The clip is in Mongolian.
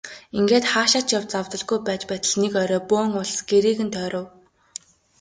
Ингээд хаашаа ч явж завдалгүй байж байтал нэг орой бөөн улс гэрийг нь тойров.